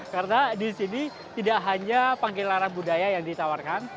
karena di sini tidak hanya pegelaran budaya yang ditawarkan